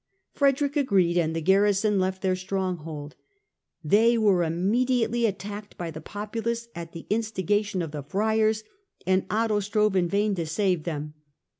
Frederick agreed and the garrison left their stronghold. They were immediately attacked by the populace at the insti gation of the friars, and Otho strove in vain to save them.